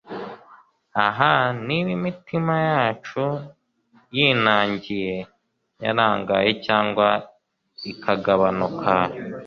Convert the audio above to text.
Ah Niba imitima yacu yinangiye yarangaye cyangwa ikagabanuka